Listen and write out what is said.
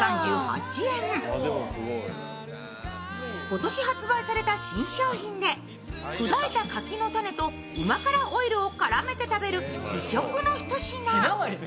今年発売された新商品で砕いた柿の種とうま辛オイルを絡めて食べる異色の一品。